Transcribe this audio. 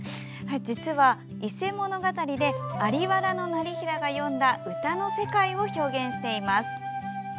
実は「伊勢物語」で在原業平が詠んだ歌の世界を表現しています。